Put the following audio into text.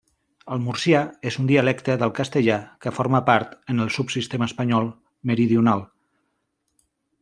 El murcià és un dialecte del castellà que forma part en el subsistema espanyol meridional.